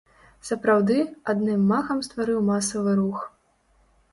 Сапраўды, адным махам стварыў масавы рух.